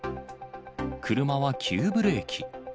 車は急ブレーキ。